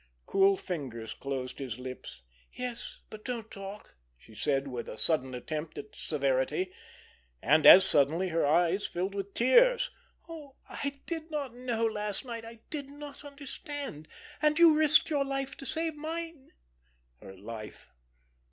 Cool fingers closed his lips. "Yes, but don't talk," she said, with a sudden attempt at severity—and, as suddenly, her eyes filled with tears. "Oh, I did not know last night—I did not understand—and you risked your life to save mine." Her life!